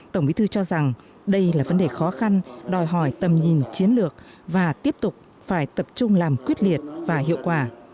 tổng bí thư cho rằng đây là vấn đề khó khăn đòi hỏi tầm nhìn chiến lược và tiếp tục phải tập trung làm quyết liệt và hiệu quả